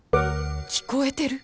聞こえてる？